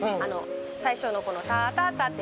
最初の、このターターターって。